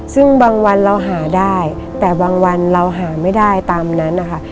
ซึ่งบางวันเราหาได้แต่บางวันเราหาไม่ได้ตามนั้นนะคะ